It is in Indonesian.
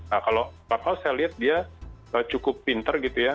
nah kalau saya lihat dia cukup pinter gitu ya